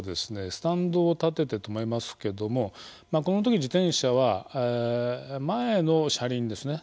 スタンドを立てて止めますけどもこの時自転車は前の車輪ですね